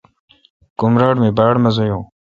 کمراٹ می باڑ مزا یون۔